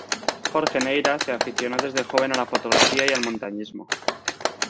Jorge Neyra se aficionó desde joven a la fotografía y al montañismo.